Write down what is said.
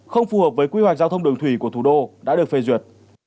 không phù hợp với quy hoạch giao thông đường thủy của thủ đô đã được phê duyệt